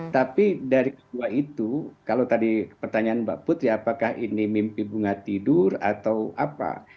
tapi dari kedua itu kalau tadi pertanyaan mbak putri apakah ini mimpi bunga tidur atau apa